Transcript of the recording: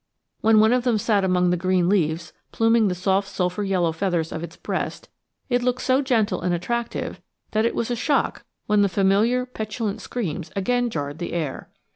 When one of them sat among the green leaves, pluming the soft sulphur yellow feathers of its breast, it looked so gentle and attractive that it was a shock when the familiar petulant screams again jarred the air.